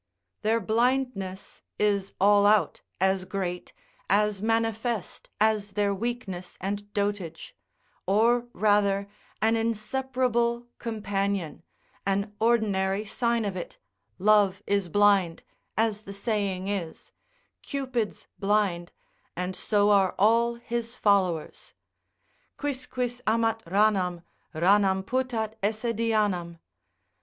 Their blindness is all out as great, as manifest as their weakness and dotage, or rather an inseparable companion, an ordinary sign of it, love is blind, as the saying is, Cupid's blind, and so are all his followers. Quisquis amat ranam, ranam putat esse Dianam.